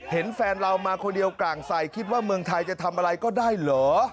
เห็นแฟนเรามาคนเดียวกลางใส่คิดว่าเมืองไทยจะทำอะไรก็ได้เหรอ